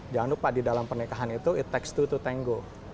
jangan lupa di dalam pernikahan itu it takes two to tango